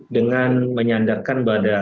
dengan menyandarkan pada